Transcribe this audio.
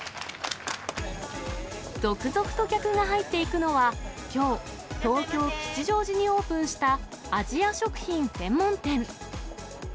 続々と客が入っていくのは、きょう、東京・吉祥寺にオープンしたアジア食品専門店。